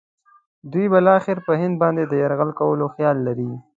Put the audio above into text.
دوی بالاخره پر هند باندې د یرغل کولو خیال لري.